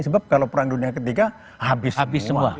sebab kalau perang dunia ketiga habis habis semua